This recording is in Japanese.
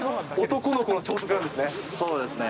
男の子の朝食なんですね。